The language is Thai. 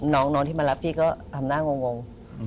น้องที่มารับพี่ก็ทำหน้างง